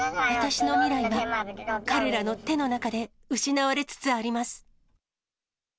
私の未来は彼らの手の中で失われつつあります。